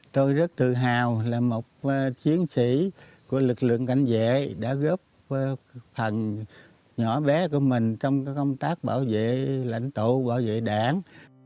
tôi rất tự hào là một chiến sĩ của lực lượng cảnh vệ đã góp phần nhỏ bé của mình trong công tác bảo vệ lãnh tụ bảo vệ đảng